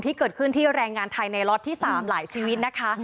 ที่เกิดขึ้นที่แรงงานไทยในล็อตที่๓หลายชีวิตนะคะ